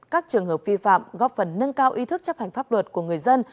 các trường hợp vi phạm góp phần nâng cao ý thức chấp hành pháp luật của người dân